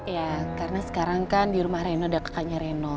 ya karena sekarang kan di rumah reno udah kakaknya reno